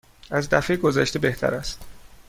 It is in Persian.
از دفعه گذشته بهتر است.